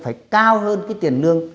phải cao hơn cái tiền lương